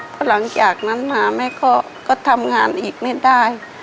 เพราะหลังจากนั้นมาแม่ก็ทำงานอีกไม่ได้